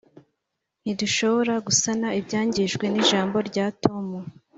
ntidushobora gusana ibyangijwe nijambo rya tom